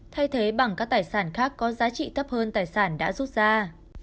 thay thế bằng các tài sản khác có giá trị thấp hơn tài sản đã rút ra